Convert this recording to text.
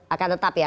akan tetap ya